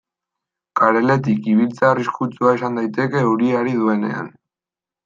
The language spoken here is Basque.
Kareletik ibiltzea arriskutsua izan daiteke euria ari duenean.